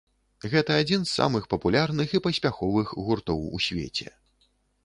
Гэта адзін з самых папулярных і паспяховых гуртоў у свеце.